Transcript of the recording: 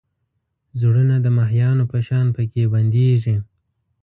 زړونه د ماهیانو په شان پکې بندېږي.